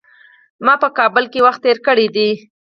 ما په کابل کي وخت تېر کړی دی .